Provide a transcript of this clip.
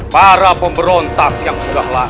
para pemerintah yang telah mencari kejahatan ini